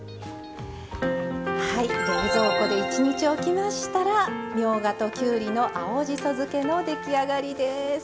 冷蔵庫で１日置きましたらみょうがときゅうりの青じそ漬けの出来上がりです。